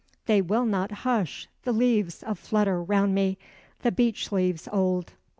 They will not hush, the leaves a flutter round me, the beech leaves old.